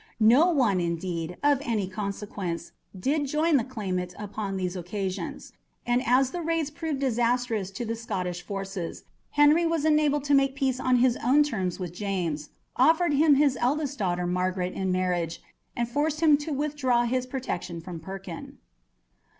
No one, indeed, of any consequence did join the claimant upon these occasions; and as the raids proved disastrous to the Scottish forces, Henry was enabled to make peace on his own terms with James; offered him his eldest daughter, Margaret, in marriage, and forced him to withdraw his protection from Perkin.